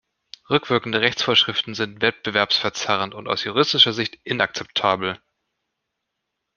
Rückwirkende Rechtsvorschriften sind wettbewerbsverzerrend und aus juristischer Sicht inakzeptabel.